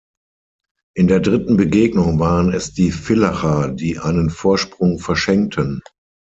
In der dritten Begegnung waren es die Villacher, die einen Vorsprung verschenkten.